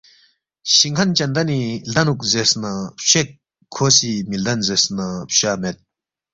شِنگ کھن چندنی لدنُوک زیرس نہ فچویک کھو سی مِہ لدن زیرس نہ فچوا مید